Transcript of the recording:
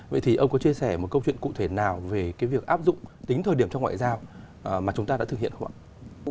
vậy thì ông có chia sẻ một câu chuyện cụ thể nào về cái việc áp dụng tính thời điểm trong ngoại giao mà chúng ta đã thực hiện không ạ